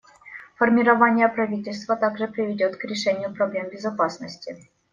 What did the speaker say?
Формирование правительства также приведет к решению проблем безопасности.